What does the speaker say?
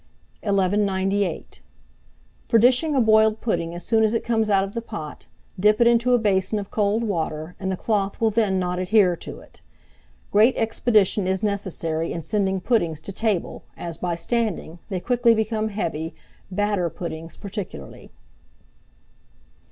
1198. For dishing a boiled pudding as soon as it comes out of the pot, dip it into a basin of cold water, and the cloth will then not adhere to it. Great expedition is necessary in sending puddings to table, as, by standing, they quickly become heavy, batter puddings particularly.